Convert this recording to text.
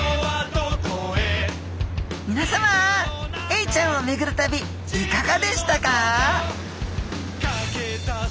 エイちゃんをめぐる旅いかがでしたか？